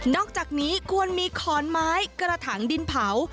อกจากนี้ควรมีขอนไม้กระถังดินเผา